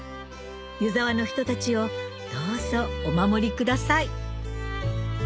湯沢の人たちをどうぞお守りください